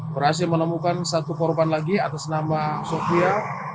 berhasil menemukan satu korban lagi atas nama sofia